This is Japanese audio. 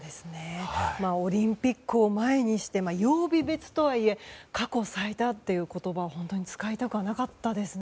オリンピックを前にして曜日別とはいえ過去最多という言葉は本当に使いたくはなかったですね。